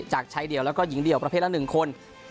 จากชายเดี่ยวแล้วก็หญิงเดี่ยวประเภทละ๑คน